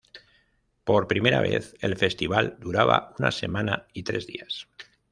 Por primera vez el festival duraba una semana y tres días.